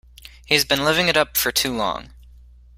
He's been living it up for too long.